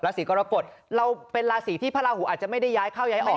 สีกรกฎเราเป็นราศีที่พระราหูอาจจะไม่ได้ย้ายเข้าย้ายออก